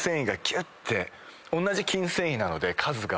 同じ筋繊維なので数が。